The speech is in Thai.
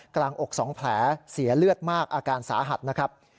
อก๒แผลเสียเลือดมากอาการสาหัสนะครับ